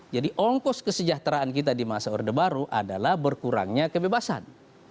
ongkos kesejahteraan kita di masa orde baru adalah berkurangnya kebebasan